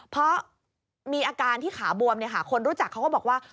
เพราะมีอาการที่ขาบวมคนรู้จักเขาก็บอกว่า